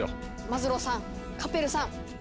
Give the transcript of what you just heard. マズローさんカペルさん。